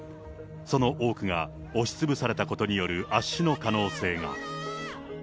その多くが、押しつぶされたことによる圧死の可能性が。